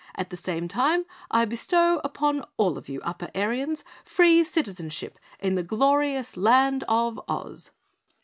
At the same time, I bestow upon all of you Upper Airians, free citizenship in the glorious Land of Oz!"